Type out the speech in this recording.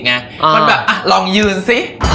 มันแบบลองยืนสิ